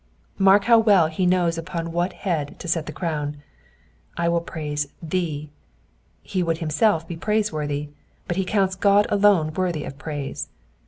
Mark how well he knows upon what head to «et the crown. '* I will praise thee,'*'* He would himself be praiseworthy, but he counts God alone worthy of praise.